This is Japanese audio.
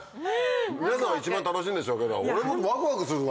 皆さんが一番楽しいんでしょうけど俺もワクワクするわ！